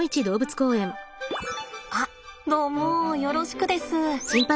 あっどうもよろしくです。